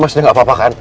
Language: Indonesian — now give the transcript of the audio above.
mas udah gak apa apa kan